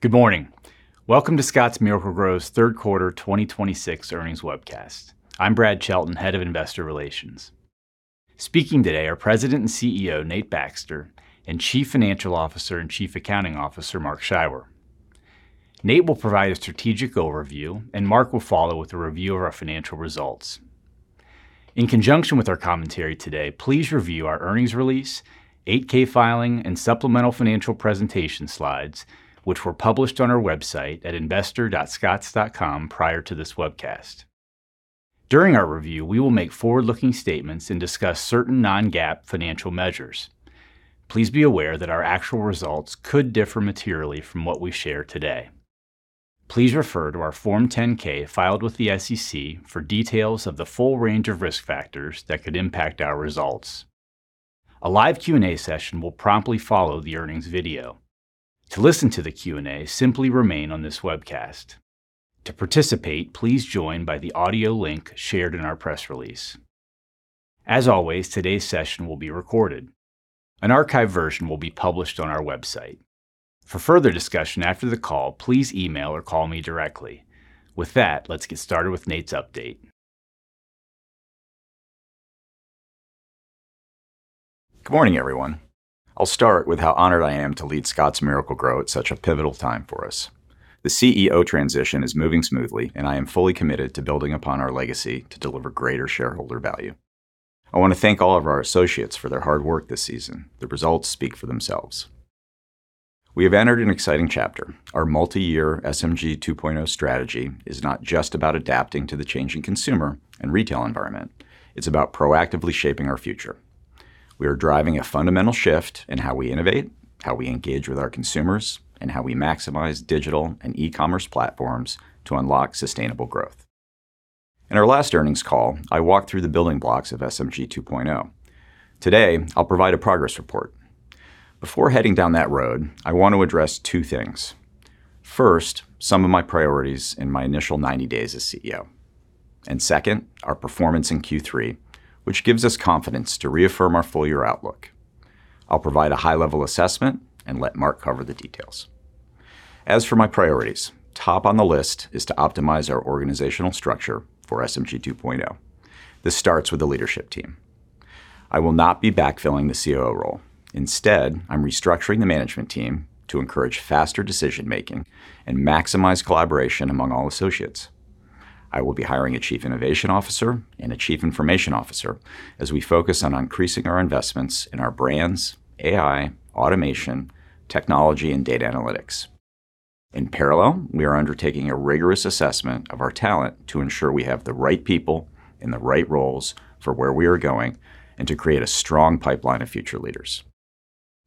Good morning. Welcome to Scotts Miracle-Gro's third quarter 2026 earnings webcast. I'm Brad Chelton, head of investor relations. Speaking today are President and CEO, Nate Baxter, and Chief Financial Officer and Chief Accounting Officer, Mark Scheiwer. Nate will provide a strategic overview, and Mark will follow with a review of our financial results. In conjunction with our commentary today, please review our earnings release, 8-K filing, and supplemental financial presentation slides, which were published on our website at investor.scotts.com prior to this webcast. During our review, we will make forward-looking statements and discuss certain non-GAAP financial measures. Please be aware that our actual results could differ materially from what we share today. Please refer to our Form 10-K filed with the SEC for details of the full range of risk factors that could impact our results. A live Q&A session will promptly follow the earnings video. To listen to the Q&A, simply remain on this webcast. To participate, please join by the audio link shared in our press release. As always, today's session will be recorded. An archive version will be published on our website. For further discussion after the call, please email or call me directly. With that, let's get started with Nate's update. Good morning, everyone. I'll start with how honored I am to lead Scotts Miracle-Gro at such a pivotal time for us. The CEO transition is moving smoothly, and I am fully committed to building upon our legacy to deliver greater shareholder value. I want to thank all of our associates for their hard work this season. The results speak for themselves. We have entered an exciting chapter. Our multi-year SMG 2.0 strategy is not just about adapting to the changing consumer and retail environment, it's about proactively shaping our future. We are driving a fundamental shift in how we innovate, how we engage with our consumers, and how we maximize digital and e-commerce platforms to unlock sustainable growth. In our last earnings call, I walked through the building blocks of SMG 2.0. Today, I'll provide a progress report. Before heading down that road, I want to address two things. First, some of my priorities in my initial 90 days as CEO. Second, our performance in Q3, which gives us confidence to reaffirm our full-year outlook. I'll provide a high-level assessment and let Mark cover the details. As for my priorities, top on the list is to optimize our organizational structure for SMG 2.0. This starts with the leadership team. I will not be backfilling the COO role. Instead, I'm restructuring the management team to encourage faster decision-making and maximize collaboration among all associates. I will be hiring a chief innovation officer and a chief information officer as we focus on increasing our investments in our brands, AI, automation, technology, and data analytics. In parallel, we are undertaking a rigorous assessment of our talent to ensure we have the right people in the right roles for where we are going and to create a strong pipeline of future leaders.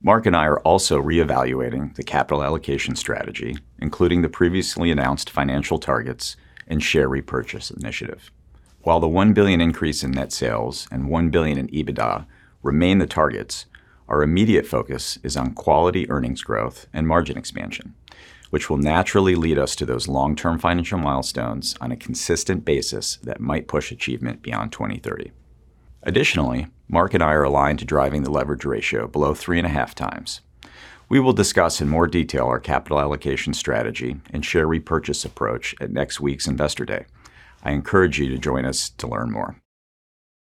Mark and I are also reevaluating the capital allocation strategy, including the previously announced financial targets and share repurchase initiative. While the $1 billion increase in net sales and $1 billion in EBITDA remain the targets, our immediate focus is on quality earnings growth and margin expansion, which will naturally lead us to those long-term financial milestones on a consistent basis that might push achievement beyond 2030. Additionally, Mark and I are aligned to driving the leverage ratio below 3.5x. We will discuss in more detail our capital allocation strategy and share repurchase approach at next week's Investor Day. I encourage you to join us to learn more.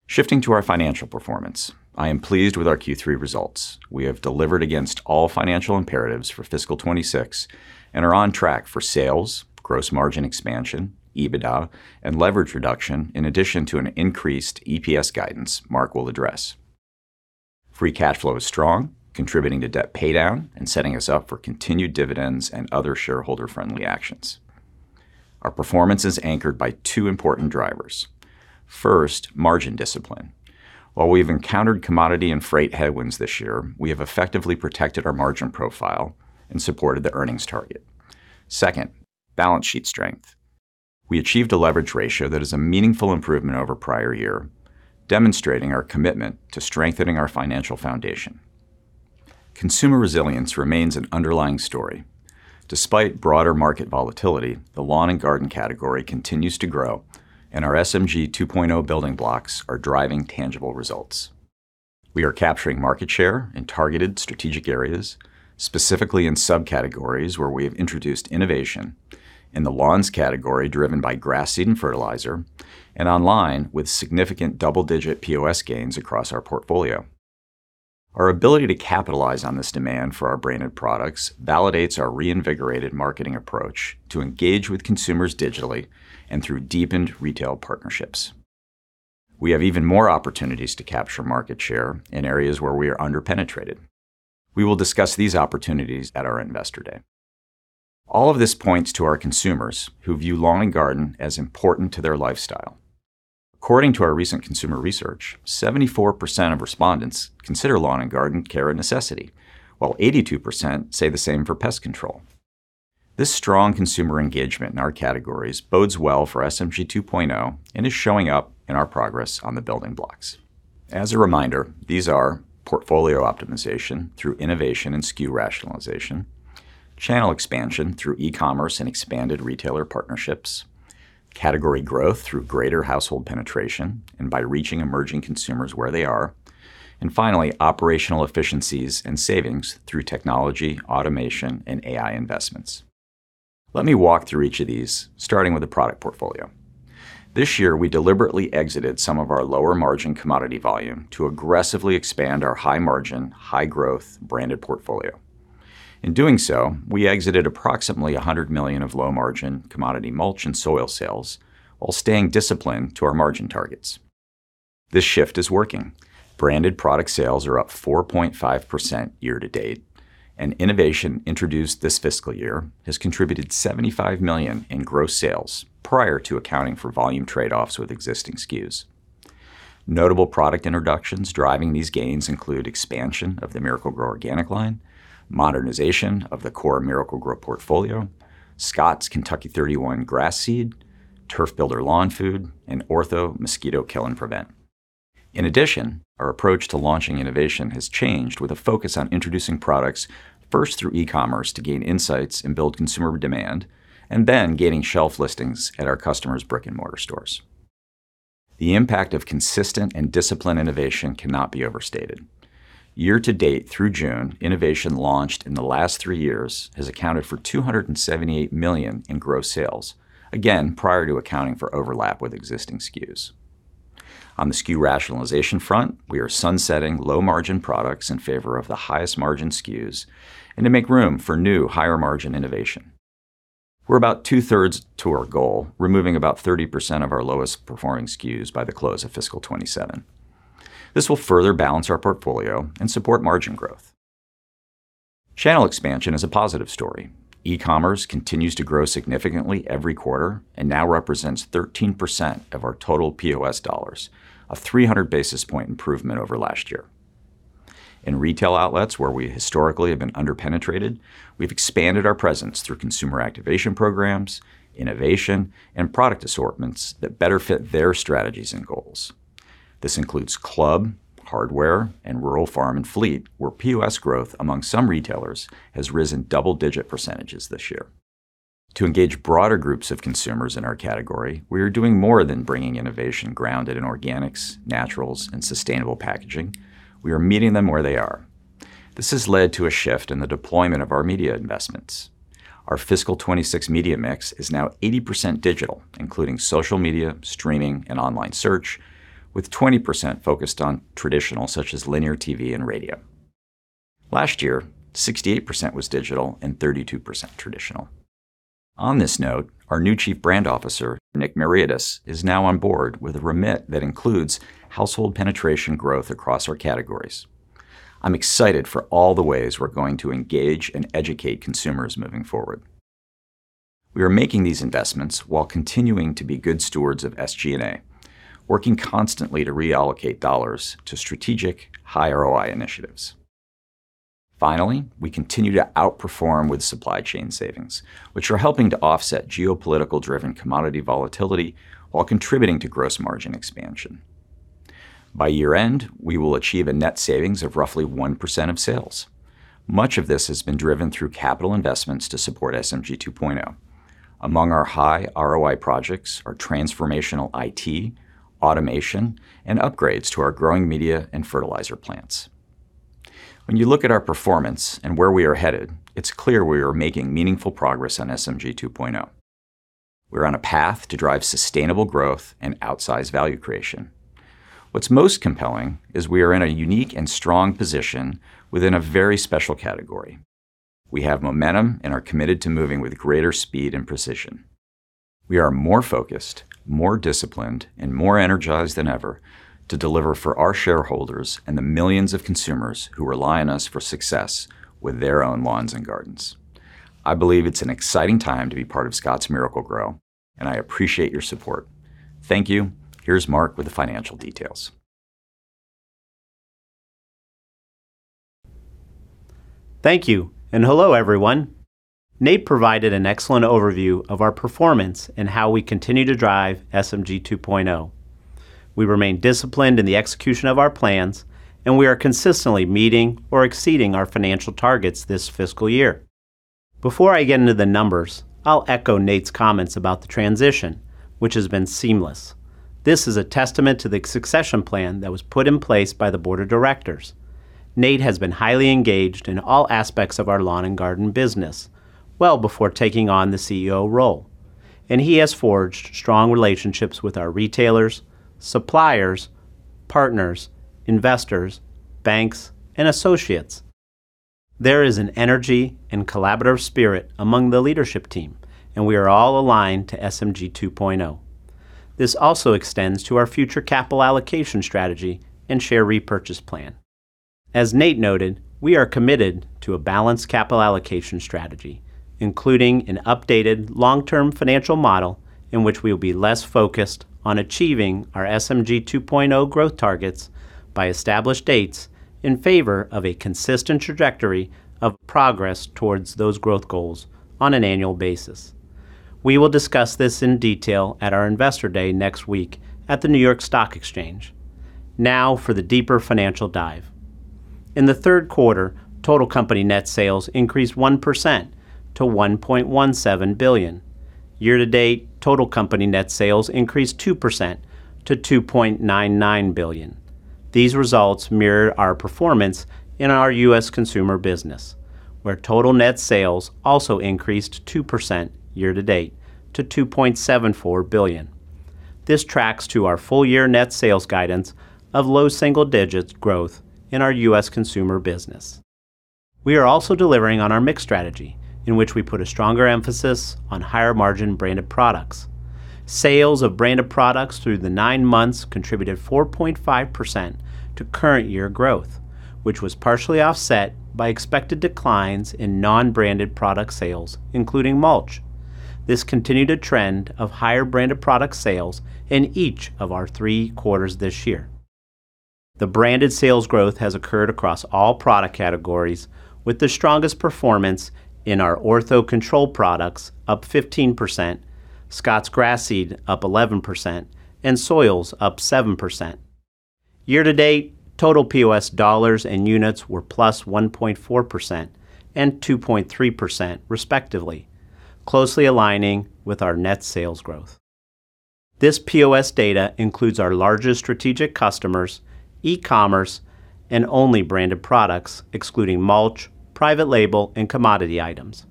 Shifting to our financial performance, I am pleased with our Q3 results. We have delivered against all financial imperatives for fiscal 2026 and are on track for sales, gross margin expansion, EBITDA, and leverage reduction, in addition to an increased EPS guidance Mark will address. Free cash flow is strong, contributing to debt paydown and setting us up for continued dividends and other shareholder-friendly actions. Our performance is anchored by two important drivers. First, margin discipline. While we've encountered commodity and freight headwinds this year, we have effectively protected our margin profile and supported the earnings target. Second, balance sheet strength. We achieved a leverage ratio that is a meaningful improvement over prior year, demonstrating our commitment to strengthening our financial foundation. Consumer resilience remains an underlying story. Despite broader market volatility, the lawn and garden category continues to grow, and our SMG 2.0 building blocks are driving tangible results. We are capturing market share in targeted strategic areas, specifically in subcategories where we have introduced innovation in the lawns category driven by grass seed and fertilizer, and online with significant double-digit POS gains across our portfolio. Our ability to capitalize on this demand for our branded products validates our reinvigorated marketing approach to engage with consumers digitally and through deepened retail partnerships. We have even more opportunities to capture market share in areas where we are under-penetrated. We will discuss these opportunities at our Investor Day. All of this points to our consumers who view lawn and garden as important to their lifestyle. According to our recent consumer research, 74% of respondents consider lawn and garden care a necessity, while 82% say the same for pest control. This strong consumer engagement in our categories bodes well for SMG 2.0 and is showing up in our progress on the building blocks. As a reminder, these are portfolio optimization through innovation and SKU rationalization, channel expansion through e-commerce and expanded retailer partnerships, category growth through greater household penetration and by reaching emerging consumers where they are, finally, operational efficiencies and savings through technology, automation, and AI investments. Let me walk through each of these, starting with the product portfolio. This year, we deliberately exited some of our lower margin commodity volume to aggressively expand our high margin, high growth branded portfolio. In doing so, we exited approximately $100 million of low margin commodity mulch and soil sales while staying disciplined to our margin targets. This shift is working. Branded product sales are up 4.5% year to date, and innovation introduced this fiscal year has contributed $75 million in gross sales prior to accounting for volume trade-offs with existing SKUs. Notable product introductions driving these gains include expansion of the Miracle-Gro Organics line, modernization of the core Miracle-Gro portfolio, Scotts Kentucky 31 Grass Seed Mix, Scotts Turf Builder Lawn Food, and Ortho Home Defense Mosquito Kill and Prevent. In addition, our approach to launching innovation has changed with a focus on introducing products first through e-commerce to gain insights and build consumer demand, and then gaining shelf listings at our customers' brick-and-mortar stores. The impact of consistent and disciplined innovation cannot be overstated. Year to date through June, innovation launched in the last three years has accounted for $278 million in gross sales, again, prior to accounting for overlap with existing SKUs. On the SKU rationalization front, we are sunsetting low margin products in favor of the highest margin SKUs and to make room for new higher margin innovation. We're about two thirds to our goal, removing about 30% of our lowest performing SKUs by the close of fiscal 2027. This will further balance our portfolio and support margin growth. Channel expansion is a positive story. E-commerce continues to grow significantly every quarter and now represents 13% of our total POS dollars, a 300 basis point improvement over last year. In retail outlets where we historically have been under-penetrated, we've expanded our presence through consumer activation programs, innovation, and product assortments that better fit their strategies and goals. This includes club, hardware, and rural farm and fleet, where POS growth among some retailers has risen double digit percentages this year. To engage broader groups of consumers in our category, we are doing more than bringing innovation grounded in organics, naturals, and sustainable packaging. We are meeting them where they are. This has led to a shift in the deployment of our media investments. Our fiscal 2026 media mix is now 80% digital, including social media, streaming, and online search, with 20% focused on traditional, such as linear TV and radio. Last year, 68% was digital and 32% traditional. On this note, our new Chief Brand Officer, Nick Miaritis, is now on board with a remit that includes household penetration growth across our categories. I'm excited for all the ways we're going to engage and educate consumers moving forward. We are making these investments while continuing to be good stewards of SG&A, working constantly to reallocate dollars to strategic high ROI initiatives. Finally, we continue to outperform with supply chain savings, which are helping to offset geopolitical-driven commodity volatility while contributing to gross margin expansion. By year end, we will achieve a net savings of roughly 1% of sales. Much of this has been driven through capital investments to support SMG 2.0. Among our high ROI projects are transformational IT, automation, and upgrades to our growing media and fertilizer plants. When you look at our performance and where we are headed, it's clear we are making meaningful progress on SMG 2.0. We're on a path to drive sustainable growth and outsize value creation. What's most compelling is we are in a unique and strong position within a very special category. We have momentum and are committed to moving with greater speed and precision. We are more focused, more disciplined, and more energized than ever to deliver for our shareholders and the millions of consumers who rely on us for success with their own lawns and gardens. I believe it's an exciting time to be part of Scotts Miracle-Gro, and I appreciate your support. Thank you. Here's Mark with the financial details. Thank you. Hello, everyone. Nate provided an excellent overview of our performance and how we continue to drive SMG 2.0. We remain disciplined in the execution of our plans, and we are consistently meeting or exceeding our financial targets this fiscal year. Before I get into the numbers, I will echo Nate's comments about the transition, which has been seamless. This is a testament to the succession plan that was put in place by the Board of Directors. Nate has been highly engaged in all aspects of our lawn and garden business well before taking on the CEO role, and he has forged strong relationships with our retailers, suppliers, partners, investors, banks, and associates. There is an energy and collaborative spirit among the leadership team, and we are all aligned to SMG 2.0. This also extends to our future capital allocation strategy and share repurchase plan. As Nate noted, we are committed to a balanced capital allocation strategy, including an updated long-term financial model in which we will be less focused on achieving our SMG 2.0 growth targets by established dates in favor of a consistent trajectory of progress towards those growth goals on an annual basis. We will discuss this in detail at our Investor Day next week at the New York Stock Exchange. For the deeper financial dive. In the third quarter, total company net sales increased 1% to $1.17 billion. Year-to-date, total company net sales increased 2% to $2.99 billion. These results mirror our performance in our U.S. consumer business, where total net sales also increased 2% year-to-date to $2.74 billion. This tracks to our full year net sales guidance of low single-digit growth in our U.S. consumer business. We are also delivering on our mix strategy, in which we put a stronger emphasis on higher margin branded products. Sales of branded products through the nine months contributed 4.5% to current year growth, which was partially offset by expected declines in non-branded product sales, including mulch. This continued a trend of higher branded product sales in each of our three quarters this year. The branded sales growth has occurred across all product categories, with the strongest performance in our Ortho control products up 15%, Scotts grass seed up 11%, and soils up 7%. Year-to-date, total POS dollars and units were +1.4% and 2.3% respectively, closely aligning with our net sales growth. This POS data includes our largest strategic customers, e-commerce, and only branded products, excluding mulch, private label, and commodity items.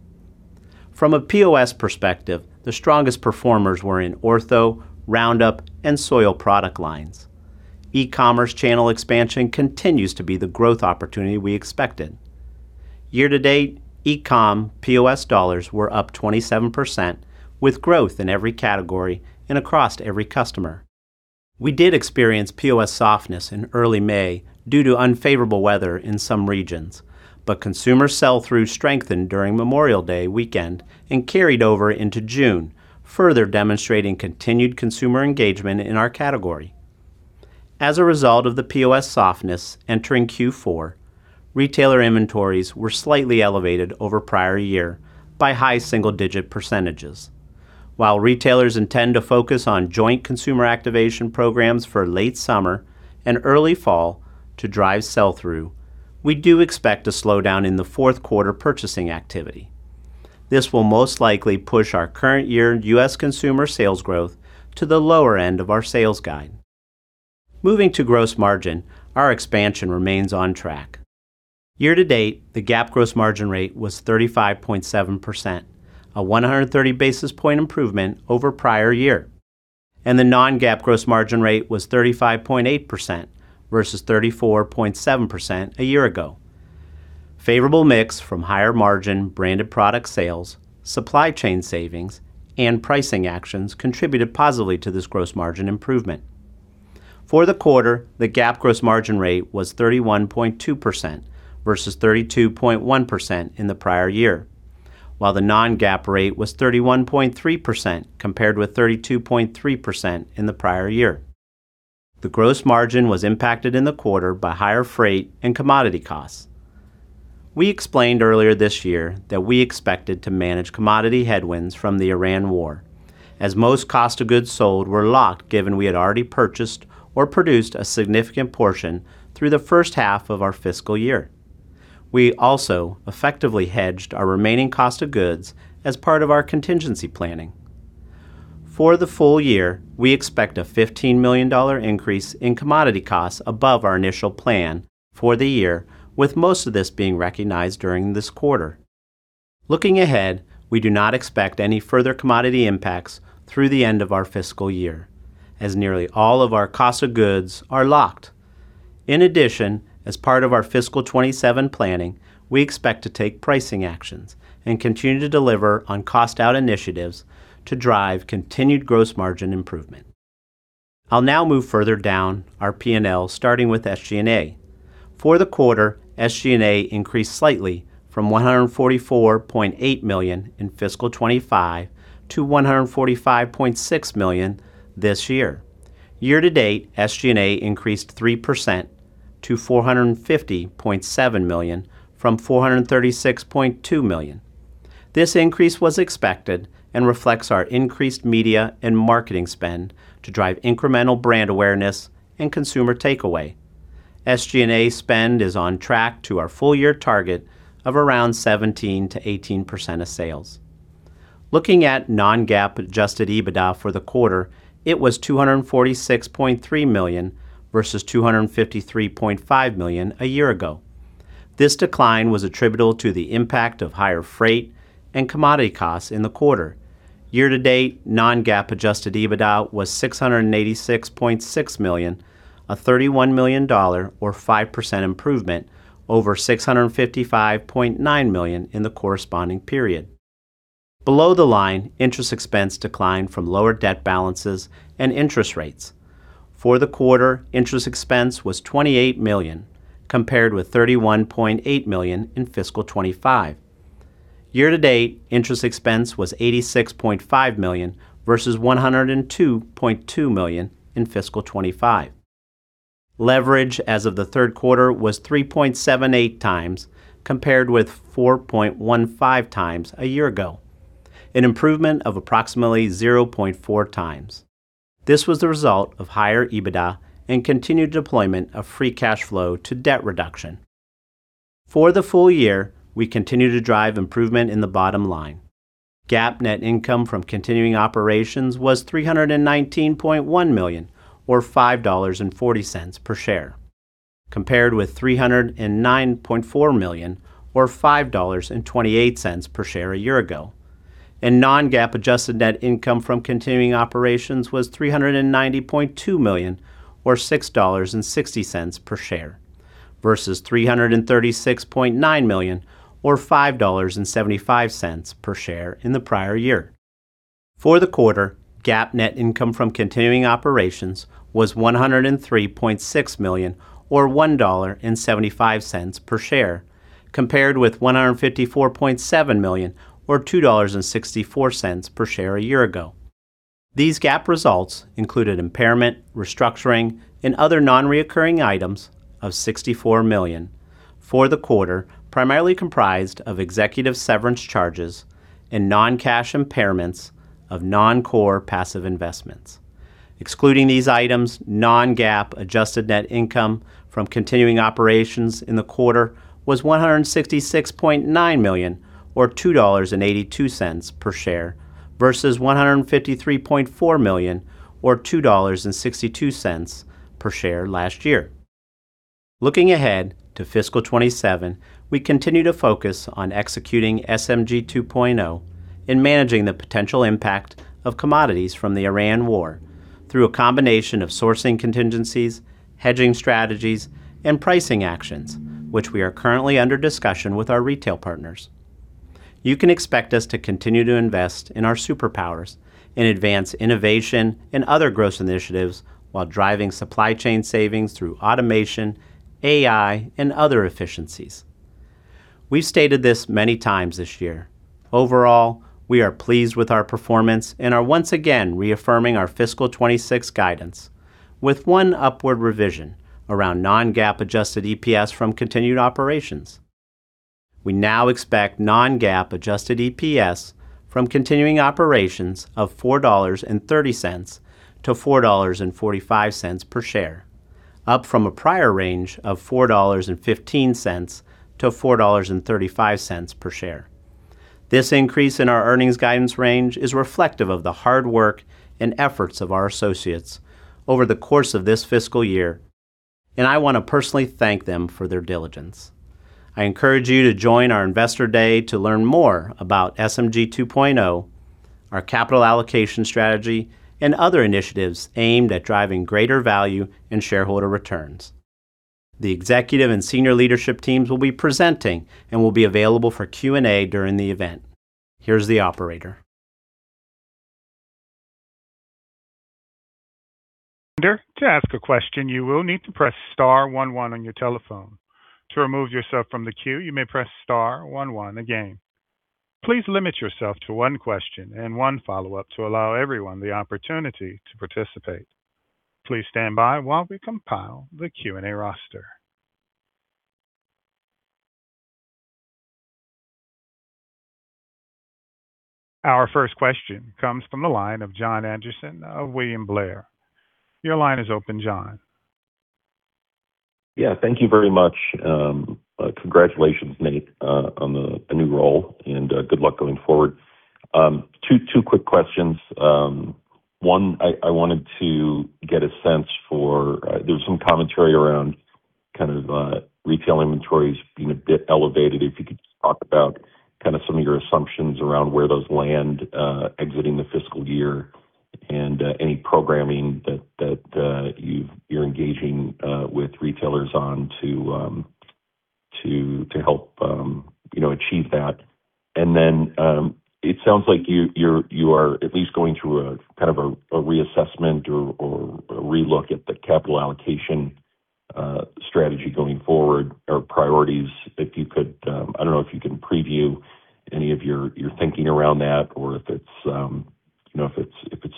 From a POS perspective, the strongest performers were in Ortho, Roundup, and soil product lines. E-commerce channel expansion continues to be the growth opportunity we expected. Year-to-date, e-commerce POS dollars were up 27%, with growth in every category and across every customer. We did experience POS softness in early May due to unfavorable weather in some regions, but consumer sell-through strengthened during Memorial Day weekend and carried over into June, further demonstrating continued consumer engagement in our category. As a result of the POS softness entering Q4, retailer inventories were slightly elevated over prior year by high single-digit percentages. While retailers intend to focus on joint consumer activation programs for late summer and early fall to drive sell-through, we do expect a slowdown in the fourth quarter purchasing activity. This will most likely push our current year U.S. consumer sales growth to the lower end of our sales guide. Moving to gross margin, our expansion remains on track. Year to date, the GAAP gross margin rate was 35.7%, a 130 basis point improvement over prior year. The non-GAAP gross margin rate was 35.8% versus 34.7% a year ago. Favorable mix from higher margin branded product sales, supply chain savings, and pricing actions contributed positively to this gross margin improvement. For the quarter, the GAAP gross margin rate was 31.2% versus 32.1% in the prior year, while the non-GAAP rate was 31.3% compared with 32.3% in the prior year. The gross margin was impacted in the quarter by higher freight and commodity costs. We explained earlier this year that we expected to manage commodity headwinds from the Iran war as most cost of goods sold were locked, given we had already purchased or produced a significant portion through the first half of our fiscal year. We also effectively hedged our remaining cost of goods as part of our contingency planning. For the full year, we expect a $15 million increase in commodity costs above our initial plan for the year, with most of this being recognized during this quarter. Looking ahead, we do not expect any further commodity impacts through the end of our fiscal year, as nearly all of our cost of goods are locked. As part of our fiscal 2027 planning, we expect to take pricing actions and continue to deliver on cost out initiatives to drive continued gross margin improvement. I'll now move further down our P&L, starting with SG&A. For the quarter, SG&A increased slightly from $144.8 million in fiscal 2025 to $145.6 million this year. Year to date, SG&A increased 3% to $450.7 million from $436.2 million. This increase was expected and reflects our increased media and marketing spend to drive incremental brand awareness and consumer takeaway. SG&A spend is on track to our full year target of around 17%-18% of sales. Looking at non-GAAP adjusted EBITDA for the quarter, it was $246.3 million versus $253.5 million a year ago. This decline was attributable to the impact of higher freight and commodity costs in the quarter. Year to date, non-GAAP adjusted EBITDA was $686.6 million, a $31 million or 5% improvement over $655.9 million in the corresponding period. Below the line, interest expense declined from lower debt balances and interest rates. For the quarter, interest expense was $28 million, compared with $31.8 million in fiscal 2025. Year to date, interest expense was $86.5 million versus $102.2 million in fiscal 2025. Leverage as of the third quarter was 3.78x compared with 4.15x a year ago, an improvement of approximately 0.4x. This was the result of higher EBITDA and continued deployment of free cash flow to debt reduction. For the full year, we continue to drive improvement in the bottom line. GAAP net income from continuing operations was $319.1 million, or $5.40 per share, compared with $309.4 million, or $5.28 per share a year ago. Non-GAAP adjusted net income from continuing operations was $390.2 million, or $6.60 per share, versus $336.9 million, or $5.75 per share in the prior year. For the quarter, GAAP net income from continuing operations was $103.6 million, or $1.75 per share, compared with $154.7 million, or $2.64 per share a year ago. These GAAP results included impairment, restructuring, and other non-recurring items of $64 million for the quarter, primarily comprised of executive severance charges and non-cash impairments of non-core passive investments. Excluding these items, non-GAAP adjusted net income from continuing operations in the quarter was $166.9 million, or $2.82 per share, versus $153.4 million, or $2.62 per share last year. Looking ahead to fiscal 2027, we continue to focus on executing SMG 2.0 and managing the potential impact of commodities from the Iran war through a combination of sourcing contingencies, hedging strategies, and pricing actions, which we are currently under discussion with our retail partners. You can expect us to continue to invest in our superpowers and advance innovation and other growth initiatives while driving supply chain savings through automation, AI, and other efficiencies. We've stated this many times this year. Overall, we are pleased with our performance and are once again reaffirming our fiscal 2026 guidance with one upward revision around non-GAAP adjusted EPS from continuing operations. We now expect non-GAAP adjusted EPS from continuing operations of $4.30-$4.45 per share, up from a prior range of $4.15-$4.35 per share. This increase in our earnings guidance range is reflective of the hard work and efforts of our associates over the course of this fiscal year, and I want to personally thank them for their diligence. I encourage you to join our Investor Day to learn more about SMG 2.0, our capital allocation strategy, and other initiatives aimed at driving greater value in shareholder returns. The executive and senior leadership teams will be presenting and will be available for Q&A during the event. Here's the operator. To ask a question, you will need to press star one one on your telephone. To remove yourself from the queue, you may press star one one again. Please limit yourself to one question and one follow-up to allow everyone the opportunity to participate. Please stand by while we compile the Q&A roster. Our first question comes from the line of Jon Andersen of William Blair. Your line is open, Jon. Thank you very much. Congratulations, Nate, on the new role and good luck going forward. Two quick questions. One, I wanted to get a sense for, there's some commentary around retail inventories being a bit elevated. If you could just talk about some of your assumptions around where those land exiting the fiscal year and any programming that you're engaging with retailers on to help achieve that. It sounds like you are at least going through a reassessment or a relook at the capital allocation strategy going forward or priorities. I don't know if you can preview any of your thinking around that or if it's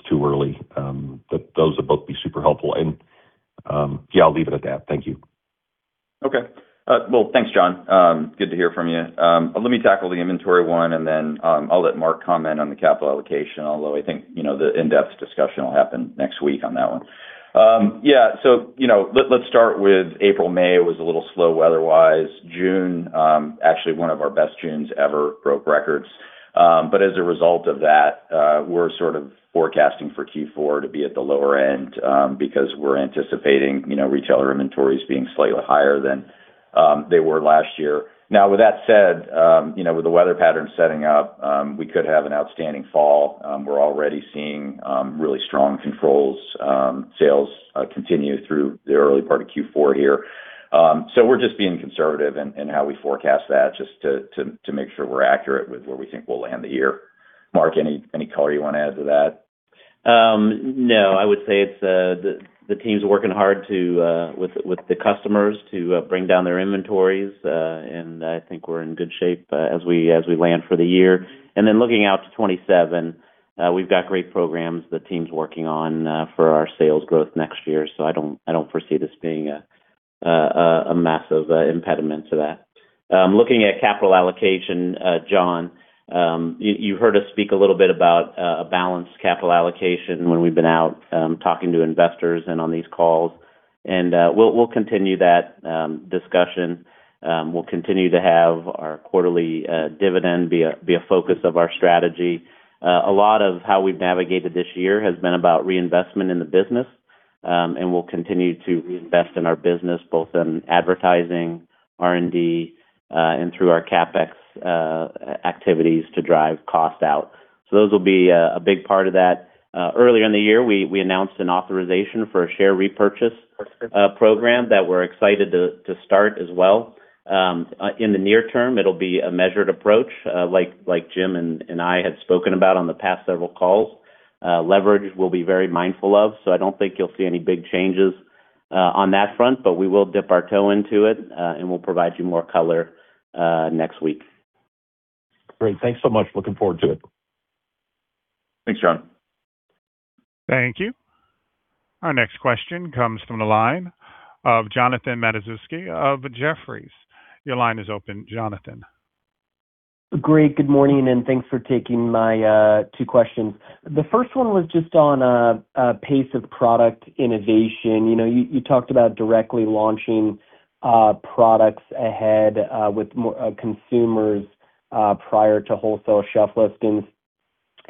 too early. Those would both be super helpful. I'll leave it at that. Thank you. Okay. Well, thanks, Jon. Good to hear from you. Let me tackle the inventory one. Then I'll let Mark comment on the capital allocation, although I think the in-depth discussion will happen next week on that one. Let's start with April. May was a little slow weather-wise. June, actually one of our best Junes ever, broke records. As a result of that, we're sort of forecasting for Q4 to be at the lower end, because we're anticipating retailer inventories being slightly higher than they were last year. With that said, with the weather pattern setting up, we could have an outstanding fall. We're already seeing really strong controls. Sales continue through the early part of Q4 here. We're just being conservative in how we forecast that just to make sure we're accurate with where we think we'll land the year. Mark, any color you want to add to that? No. I would say the team's working hard with the customers to bring down their inventories. I think we're in good shape as we land for the year. Then looking out to 2027, we've got great programs the team's working on for our sales growth next year. I don't foresee this being a massive impediment to that. Looking at capital allocation, Jon, you heard us speak a little bit about a balanced capital allocation when we've been out talking to investors and on these calls. We'll continue that discussion. We'll continue to have our quarterly dividend be a focus of our strategy. A lot of how we've navigated this year has been about reinvestment in the business, and we'll continue to reinvest in our business, both in advertising, R&D, and through our CapEx activities to drive cost out. Those will be a big part of that. Earlier in the year, we announced an authorization for a share repurchase program that we're excited to start as well. In the near term, it'll be a measured approach, like Jim and I had spoken about on the past several calls. Leverage we'll be very mindful of. I don't think you'll see any big changes on that front. We will dip our toe into it. We'll provide you more color next week. Great. Thanks so much. Looking forward to it. Thanks, Jon. Thank you. Our next question comes from the line of Jonathan Matuszewski of Jefferies. Your line is open, Jonathan. Great. Good morning, thanks for taking my two questions. The first one was just on pace of product innovation. You talked about directly launching products ahead with consumers prior to wholesale shelf listings.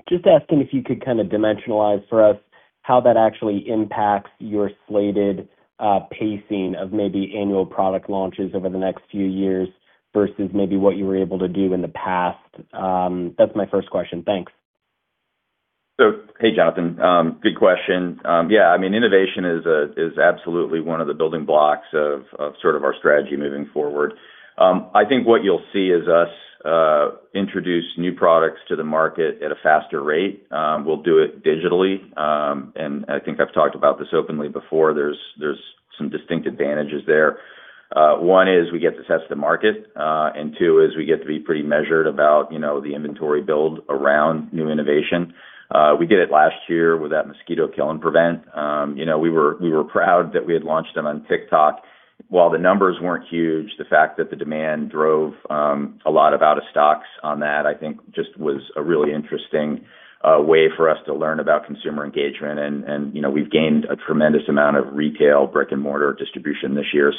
Just asking if you could kind of dimensionalize for us how that actually impacts your slated pacing of maybe annual product launches over the next few years versus maybe what you were able to do in the past. That's my first question. Thanks. Hey, Jonathan. Good question. Yeah, innovation is absolutely one of the building blocks of our strategy moving forward. I think what you'll see is us introduce new products to the market at a faster rate. We'll do it digitally, and I think I've talked about this openly before. There's some distinct advantages there. One is we get to test the market, and two is we get to be pretty measured about the inventory build around new innovation. We did it last year with that Mosquito Kill and Prevent. We were proud that we had launched them on TikTok. While the numbers weren't huge, the fact that the demand drove a lot of out-of-stocks on that, I think, just was a really interesting way for us to learn about consumer engagement, and we've gained a tremendous amount of retail brick-and-mortar distribution this year.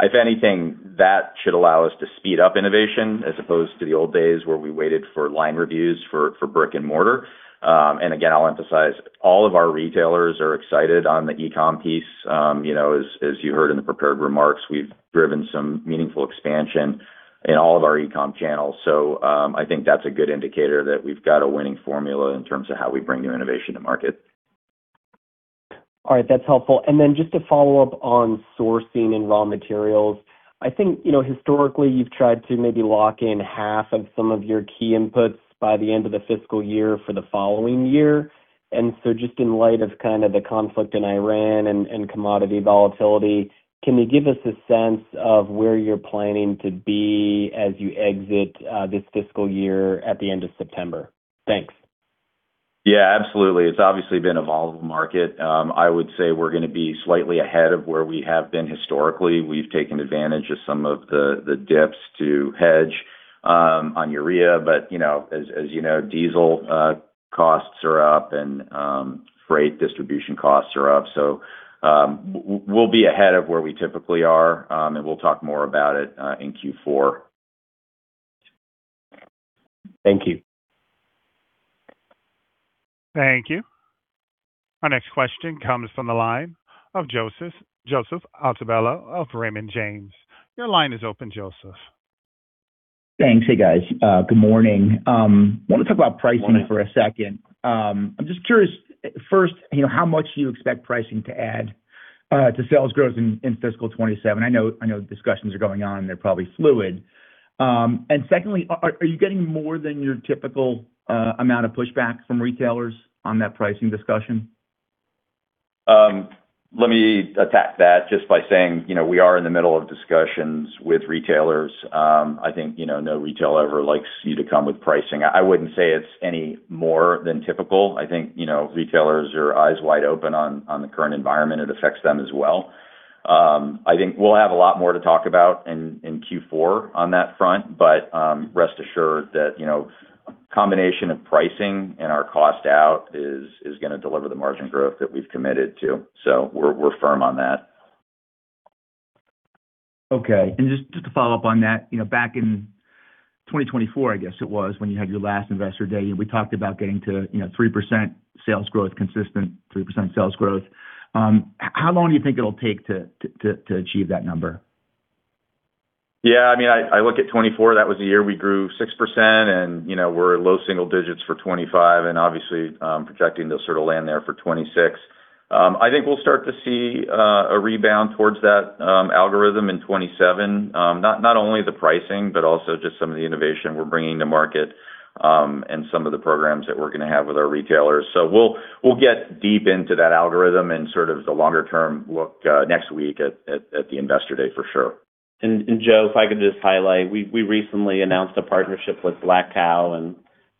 If anything, that should allow us to speed up innovation as opposed to the old days where we waited for line reviews for brick and mortar. Again, I'll emphasize, all of our retailers are excited on the e-com piece. As you heard in the prepared remarks, we've driven some meaningful expansion in all of our e-com channels. I think that's a good indicator that we've got a winning formula in terms of how we bring new innovation to market. All right. That's helpful. Then just to follow up on sourcing and raw materials, I think historically you've tried to maybe lock in half of some of your key inputs by the end of the fiscal year for the following year. Just in light of kind of the conflict in Iran and commodity volatility, can you give us a sense of where you're planning to be as you exit this fiscal year at the end of September? Thanks. Yeah, absolutely. It's obviously been a volatile market. I would say we're going to be slightly ahead of where we have been historically. We've taken advantage of some of the dips to hedge on urea. As you know, diesel costs are up and freight distribution costs are up. We'll be ahead of where we typically are, and we'll talk more about it in Q4. Thank you. Thank you. Our next question comes from the line of Joseph Altobello of Raymond James. Your line is open, Joseph. Thanks. Hey, guys. Good morning. Morning. Want to talk about pricing for a second. I'm just curious, first, how much do you expect pricing to add to sales growth in fiscal 2027? I know discussions are going on, and they're probably fluid. Secondly, are you getting more than your typical amount of pushback from retailers on that pricing discussion? Let me attack that just by saying, we are in the middle of discussions with retailers. I think no retailer ever likes you to come with pricing. I wouldn't say it's any more than typical. I think retailers are eyes wide open on the current environment. It affects them as well. I think we'll have a lot more to talk about in Q4 on that front. Rest assured that a combination of pricing and our cost out is going to deliver the margin growth that we've committed to. We're firm on that. Okay. Just to follow up on that, back in 2024, I guess it was, when you had your last Investor Day, we talked about getting to 3% sales growth, consistent 3% sales growth. How long do you think it'll take to achieve that number? Yeah, I look at 2024, that was the year we grew 6%, we're low single digits for 2025, obviously projecting to sort of land there for 2026. I think we'll start to see a rebound towards that algorithm in 2027. Not only the pricing, but also just some of the innovation we're bringing to market, and some of the programs that we're going to have with our retailers. We'll get deep into that algorithm and sort of the longer-term look next week at the Investor Day for sure. Joe, if I could just highlight, we recently announced a partnership with Black Kow,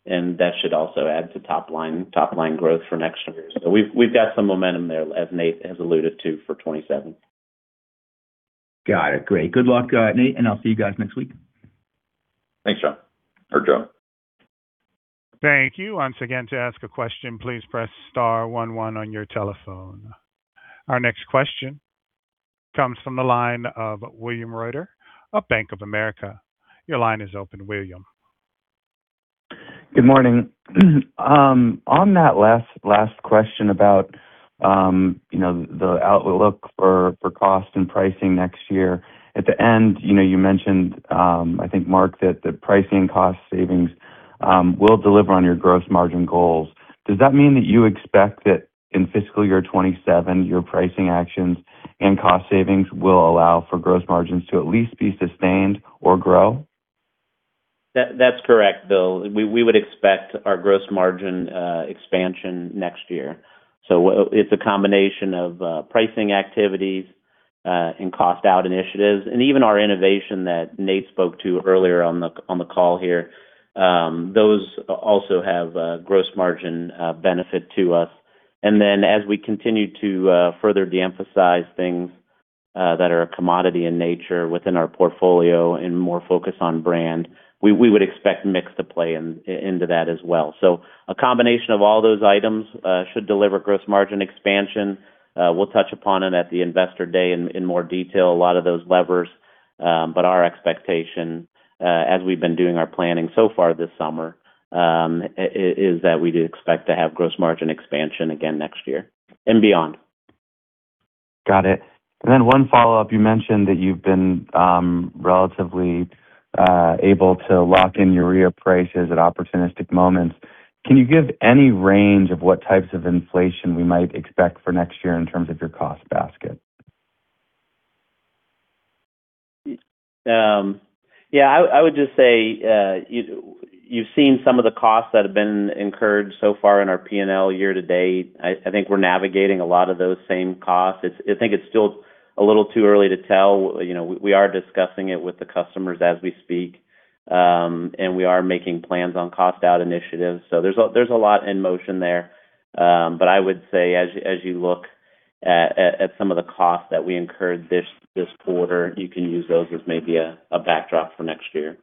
that should also add to top-line growth for next year. We've got some momentum there, as Nate has alluded to, for 2027. Got it. Great. Good luck, Nate, and I'll see you guys next week. Thanks, Joe. Thank you. Once again, to ask a question, please press star one one on your telephone. Our next question comes from the line of William Reuter of Bank of America. Your line is open, William. Good morning. On that last question about the outlook for cost and pricing next year. At the end, you mentioned, I think, Mark, that the pricing cost savings will deliver on your gross margin goals. Does that mean that you expect that in fiscal year 2027, your pricing actions and cost savings will allow for gross margins to at least be sustained or grow? That's correct, Bill. We would expect our gross margin expansion next year. It's a combination of pricing activities and cost out initiatives, even our innovation that Nate spoke to earlier on the call here. Those also have gross margin benefit to us. As we continue to further de-emphasize things that are a commodity in nature within our portfolio and more focused on brand, we would expect mix to play into that as well. A combination of all those items should deliver gross margin expansion. We'll touch upon it at the Investor Day in more detail, a lot of those levers. Our expectation, as we've been doing our planning so far this summer, is that we do expect to have gross margin expansion again next year and beyond. Got it. One follow-up. You mentioned that you've been relatively able to lock in your urea prices at opportunistic moments. Can you give any range of what types of inflation we might expect for next year in terms of your cost basket? Yeah. I would just say, you've seen some of the costs that have been incurred so far in our P&L year to date. I think we're navigating a lot of those same costs. I think it's still a little too early to tell. We are discussing it with the customers as we speak, and we are making plans on cost-out initiatives. There's a lot in motion there. I would say, as you look at some of the costs that we incurred this quarter, you can use those as maybe a backdrop for next year.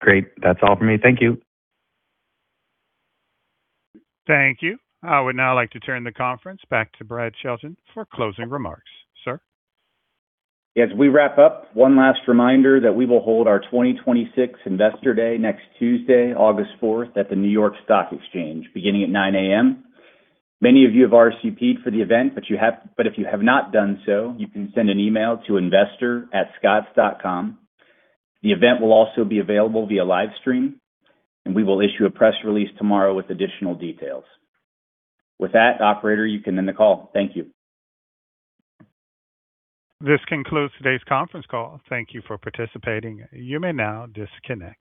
Great. That's all for me. Thank you. Thank you. I would now like to turn the conference back to Brad Chelton for closing remarks. Sir? As we wrap up, one last reminder that we will hold our 2026 Investor Day next Tuesday, August 4th, at the New York Stock Exchange, beginning at 9:00 A.M. Many of you have RSVP'd for the event, but if you have not done so, you can send an email to investor@scotts.com. The event will also be available via live stream, and we will issue a press release tomorrow with additional details. With that, operator, you can end the call. Thank you. This concludes today's conference call. Thank you for participating. You may now disconnect.